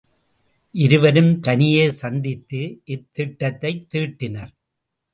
இருவரும் தனியே சந்தித்து இத்திட்டத்தைத் தீட்டினர்.